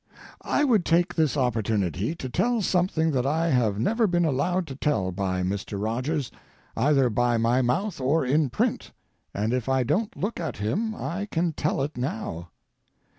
I would take this opportunity to tell something that I have never been allowed to tell by Mr. Rogers, either by my mouth or in print, and if I don't look at him I can tell it now.